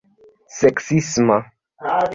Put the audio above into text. seksisma